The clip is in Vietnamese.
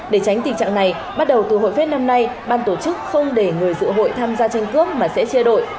để tránh tình trạng này bắt đầu từ hội phết năm nay ban tổ chức không để người dự hội tham gia tranh cướp mà sẽ chia đội